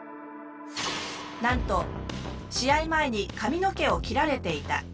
なんと試合前に髪の毛を切られていた。